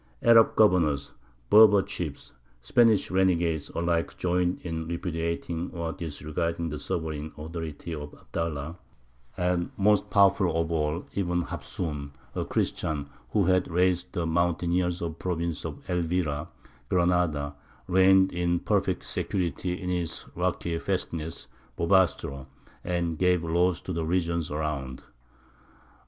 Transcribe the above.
Arab governors, Berber chiefs, Spanish renegades, alike joined in repudiating or disregarding the sovereign authority of Abdallah; and most powerful of all, Ibn Hafsūn, a Christian, who had raised the mountaineers of the province of Elvira (Granada), reigned in perfect security in his rocky fastness, Bobastro, and gave laws to the regions around.